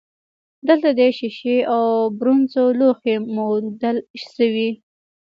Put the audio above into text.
دلته د شیشې او برونزو لوښي موندل شوي